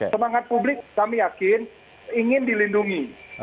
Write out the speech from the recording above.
semangat publik kami yakin ingin dilindungi